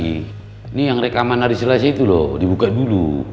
ini yang rekaman hari selasa itu loh dibuka dulu